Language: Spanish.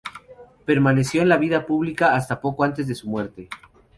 Permaneció en la vida pública hasta poco antes de su muerte.